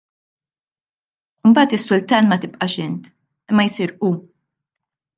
U mbagħad is-sultan ma tibqax int imma jsir Hu.